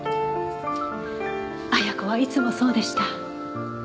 亜矢子はいつもそうでした。